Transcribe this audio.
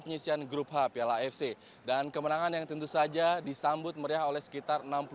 penyisian grup hp la fc dan kemenangan yang tentu saja disambut meriah oleh sekitar enam puluh